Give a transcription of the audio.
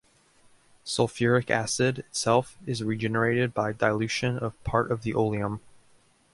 Sulfuric acid itself is regenerated by dilution of part of the oleum.